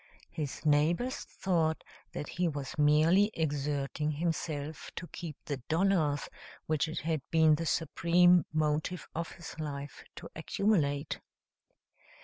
His neighbors thought that he was merely exerting himself to keep the dollars which it had been the supreme motive of his life to accumulate.